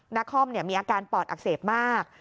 นักคล่อมมีอาการปอดอักเสบมาก